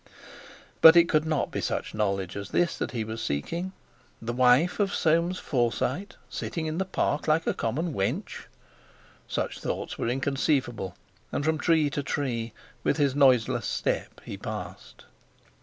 But it could not be such knowledge as this that he was seeking—the wife of Soames Forsyte sitting in the Park like a common wench! Such thoughts were inconceivable; and from tree to tree, with his noiseless step, he passed.